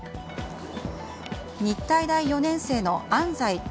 日体大４年生の安斎叶